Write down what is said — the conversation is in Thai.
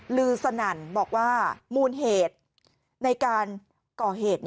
ลือสนั่นบอกว่ามูลเหตุในการก่อเหตุ